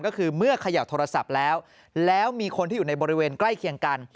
ก็คือเมื่อเขย่าโทรศัพท์แล้วแล้วมีคนที่อยู่ในบริเวณใกล้เคียงกัน